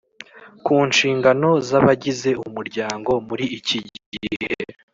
ku nshingano za bagize umuryango muri iki gihe?